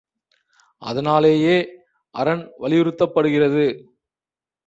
அதனாலேயே அறன் வலியுறுத்தப்படுகிறது.